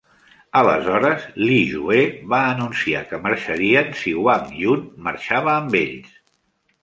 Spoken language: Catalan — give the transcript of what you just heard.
Aleshores, Li Jue va anunciar que marxarien si Wang Yun marxava amb ells.